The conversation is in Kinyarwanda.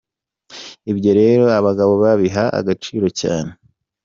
Ibyo rero abagabo babiha agaciro cyane.